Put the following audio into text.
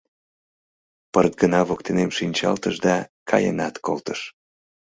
Пырт гына воктенем шинчалтыш да каенат колтыш.